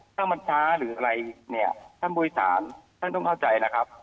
ถ้ามันช้าหรืออะไรท่านบุญศาลท่านต้องเข้าใจนะครับ